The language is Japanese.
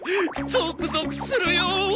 ゾクゾクするよ！